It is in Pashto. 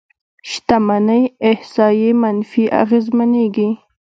شتمنۍ احصایې منفي اغېزمنېږي.